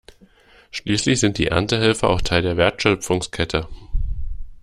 Schließlich sind die Erntehelfer auch Teil der Wertschöpfungskette.